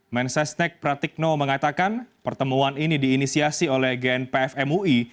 mensesnek pratikno mengatakan pertemuan ini diinisiasi oleh gnpf mui